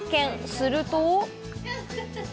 すると。